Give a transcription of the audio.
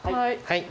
はい。